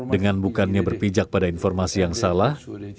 dengan bukannya berpijak pada informasi yang salah